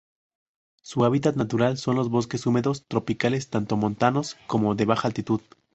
Su hábitat natural son los bosques húmedos tropicales tanto montanos como de baja altitud.